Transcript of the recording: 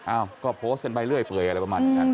อ้าวก็โพสต์เป็นใบเรื่อยเปื่อยอะไรประมาณนั้น